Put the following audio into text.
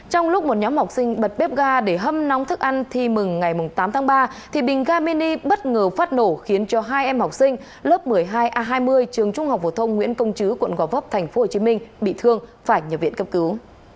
trong lúc một nhóm học sinh bật bếp ga để hâm nóng thức ăn thi mừng ngày tám tháng ba bình ga mini bất ngờ phát nổ khiến cho hai em học sinh lớp một mươi hai a hai mươi trường trung học phổ thông nguyễn công chứ quận gò vấp tp hcm bị thương phải nhập viện cấp cứu